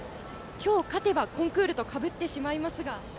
今日、勝てばコンクールとかぶってしまいますが。